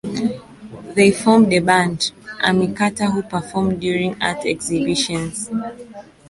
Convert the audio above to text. They formed a band, Amy Carter, who performed during art exhibitions.